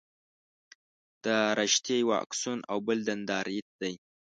دا رشتې یو اکسون او بل دنداریت دي.